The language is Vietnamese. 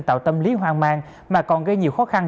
tạo tâm lý hoang mang mà còn gây nhiều khó khăn